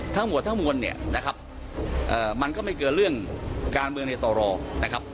ทั้งหมดทั้งมวลเนี่ยนะครับมันก็ไม่เกินเรื่องการเมืองในต่อรอนะครับ